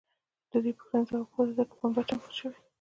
د دې پوښتنې ځواب هو دی ځکه پنبه چمتو شوې.